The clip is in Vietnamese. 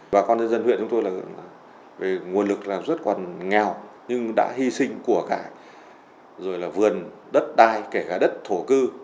và con dân huyện chúng tôi là nguồn lực rất còn nghèo nhưng đã hy sinh của cả vườn đất đai kể cả đất thổ cư